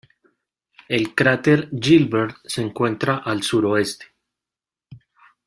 El cráter Gilbert se encuentra al suroeste.